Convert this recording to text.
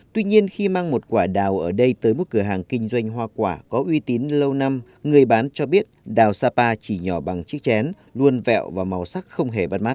tuy nhiên khi mang một quả đào ở đây tới một cửa hàng kinh doanh hoa quả có uy tín lâu năm người bán cho biết đào sapa chỉ nhỏ bằng chiếc chén luôn vẹo và màu sắc không hề bắt mắt